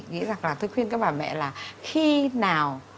nghĩ rằng là tôi khuyên các bà mẹ là